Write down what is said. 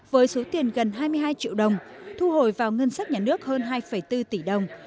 với số tiền gần hai mươi hai triệu đồng thu hồi vào ngân sách nhà nước hơn hai bốn tỷ đồng